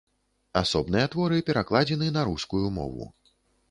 Асобныя творы перакладзены на рускую мову.